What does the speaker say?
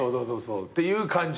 っていう感じ。